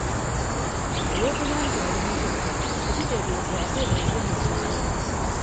Olw'okuba nti oli muto tekitegeeza ate ozze misango.